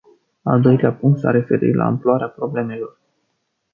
Al doilea punct s-a referit la amploarea problemelor.